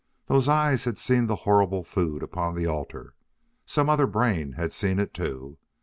Those eyes had seen the horrible food upon the altar; some other brain had seen it too.